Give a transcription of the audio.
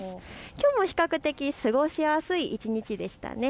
きょうも比較的過ごしやすい一日でしたね。